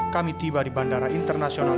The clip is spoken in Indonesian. kami tiba di bandara internasional